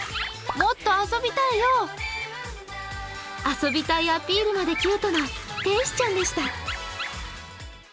遊びたいアピールまでキュートな天使ちゃんでした。